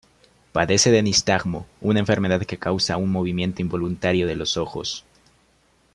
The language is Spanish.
Padece de nistagmo, una enfermedad que causa un movimiento involuntario de los ojos.